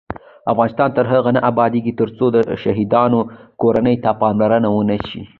افغانستان تر هغو نه ابادیږي، ترڅو د شهیدانو کورنیو ته پاملرنه ونشي.